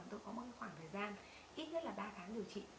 tôi có một khoảng thời gian ít nhất là ba tháng điều trị